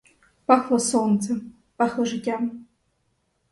Пахло сонцем, пахло життям.